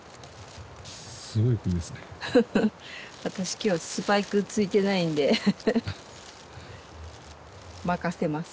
今日スパイクついてないんで任せます